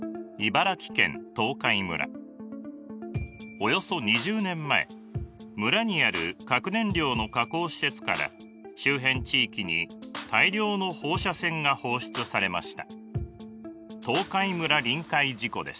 およそ２０年前村にある核燃料の加工施設から周辺地域に大量の放射線が放出されました。